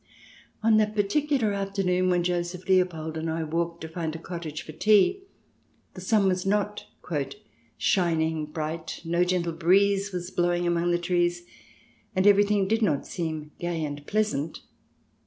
• o ••• On that particular afternoon when Joseph Leopold and I walked to find a cottage for tea, the sun was not " shining bright, no gentle breeze was blowing among the trees, and everything did not seem gay and pleasant."